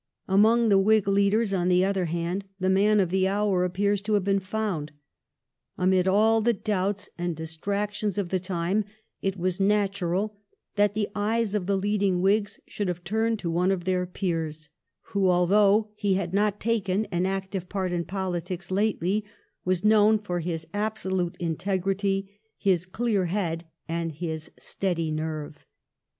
Among the Whig leaders, on the other hand, the man of the hour appears to have been found. Amid all the doubts and distractions of the time it was natural that the eyes of the leading Whigs should have turned to one of their peers, who, although he had not taken an active part in politics lately, was known for his absolute integrity, his clear head, and his steady nerve.